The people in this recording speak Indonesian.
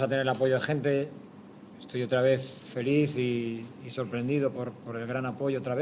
saya berharap indonesia akan menang di semifinal malaysia